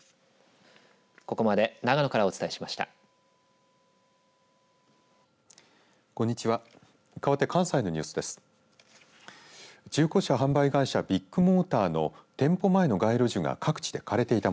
ここまで長野からお伝えしました。